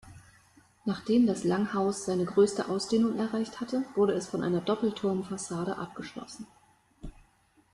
Nachdem das Langhaus seine größte Ausdehnung erreicht hatte, wurde es von einer Doppelturmfassade abgeschlossen.